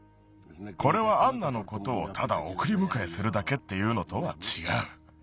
これはアンナのことをただおくりむかえするだけっていうのとはちがう。